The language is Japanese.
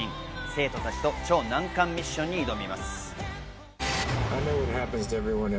生徒たちと超難関ミッションに挑みます。